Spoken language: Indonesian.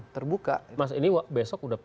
terbuka mas ini besok udah